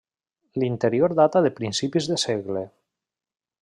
L'interior data de principis de segle.